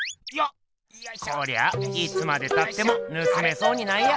こりゃあいつまでたっても盗めそうにないや。